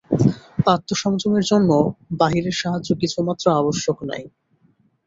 আত্মসংযমের জন্য বাহিরের সাহায্য কিছুমাত্র আবশ্যক নাই।